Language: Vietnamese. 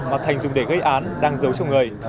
mà thành dùng để gây án đăng dấu trong người